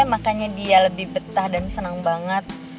makanya dia lebih betah dan senang banget